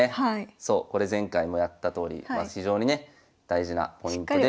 そうこれ前回もやったとおり非常にね大事なポイントで。